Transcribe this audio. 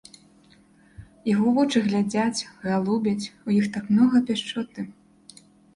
Яго вочы глядзяць, галубяць, у іх так многа пяшчоты.